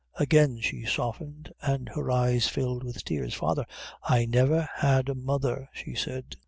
Again she softened, and her eyes filled with tears. "Father, I never had a mother!" she said.